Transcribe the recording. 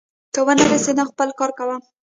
که ونه رسېدم، خپل کار کوه.